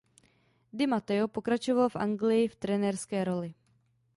Di Matteo pokračoval v Anglii v trenérské roli.